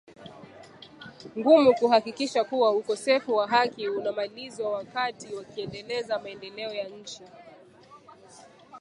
ngumu kuhakikisha kuwa ukosefu wa haki unamalizwa wakati wakiendeleza maendeleo ya nchi